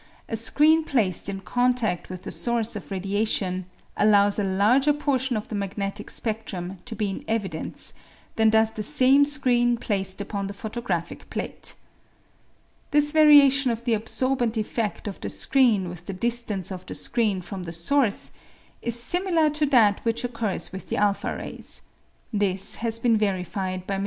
4, a screen placed in contadl with the source of radiation allows a larger portion of the magnetic speClrum to be in evidence than does the same screen placed upon the photographic plate. This variation of the absorbent effecft of the screen with the distance of the screen from the source is similar to that which occurs with the a rays ; this has been verified by MM.